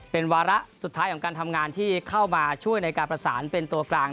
เป็นวาระสุดท้ายของการทำงานที่เข้ามาช่วยในการประสานเป็นตัวกลาง